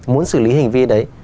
muốn xử lý hành vi đấy